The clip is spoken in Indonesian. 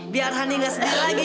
biar hany gak sedih lagi